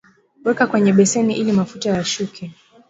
weka kwenye beseni ili mafuta yashuke